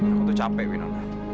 aku tuh capek wino